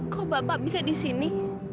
kok bapak bisa di sini